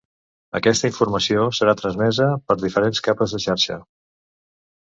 Aquesta informació serà la transmesa per les diferents capes de xarxa.